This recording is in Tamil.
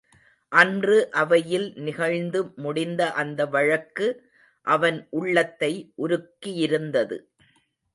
அன்று அவையில் நிகழ்ந்து முடிந்த அந்த வழக்கு அவன் உள்ளத்தை உருக்கியிருந்தது.